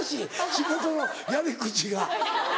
仕事のやり口が。